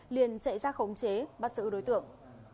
liền chạy ra khống chế bắt giữ đối tượng